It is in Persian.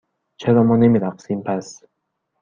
چرا ما نمی رقصیم، پس؟